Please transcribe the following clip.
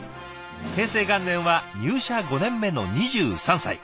平成元年は入社５年目の２３歳。